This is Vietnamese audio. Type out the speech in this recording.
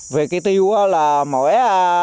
về cây tiêu là mỗi